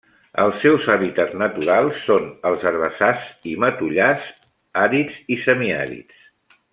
Els seus hàbitats naturals són els herbassars i matollars àrids i semiàrids.